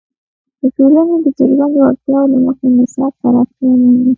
د ټولنې د څرګندو اړتیاوو له مخې نصاب پراختیا مومي.